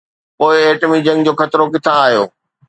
پوءِ ايٽمي جنگ جو خطرو ڪٿان آيو؟